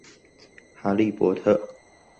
哈利波特